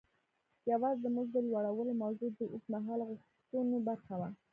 یوازې د مزد د لوړولو موضوع د اوږد مهاله غوښتنو برخه وه.